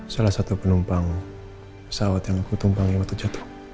salah satu penumpang pesawat yang aku tumpangi waktu jatuh